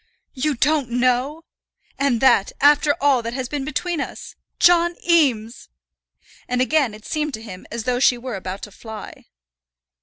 You don't know! And that, after all that has been between us! John Eames!" And again it seemed to him as though she were about to fly.